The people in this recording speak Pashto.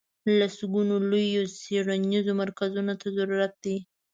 لسګونو لویو څېړنیزو مرکزونو ته ضرورت دی.